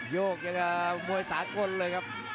โยกเยอะกับมวยสาทศาสตร์ควบเลยครับ